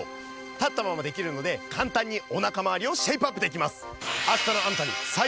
立ったままできるので簡単におなかまわりをシェイプアップできます。